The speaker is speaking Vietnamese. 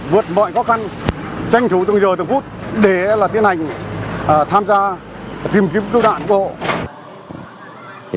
vượt mọi khó khăn tranh thủ từng giờ từng phút để tiến hành tham gia tìm kiếm cứu nạn cứu hộ